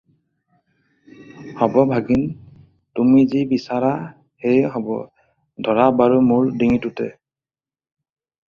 হ'ব ভাগিন, তুমি যি বিচাৰা সেয়ে হ'ব, ধৰা বাৰু মােৰ ডিঙিটোতে।